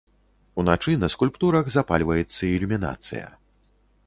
Уначы на скульптурах запальваецца ілюмінацыя.